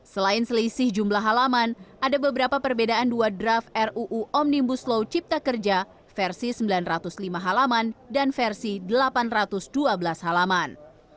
selain selisih jumlah halaman ada beberapa perbedaan dua draft ruu omnibus law cipta kerja versi sembilan ratus lima halaman dan versi delapan ratus dua belas halaman